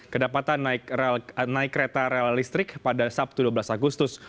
kedapatan naik kereta rel listrik pada sabtu dua belas agustus